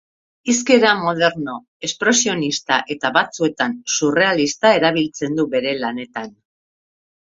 Hizkera moderno, espresionista eta batzuetan surrealista erabiltzen du bere lanetan.